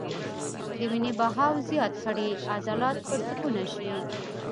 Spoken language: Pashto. د وينې بهاو زيات کړي عضلات پرسکونه شي -